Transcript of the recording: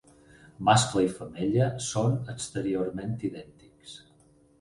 Mascle i femella són exteriorment idèntics.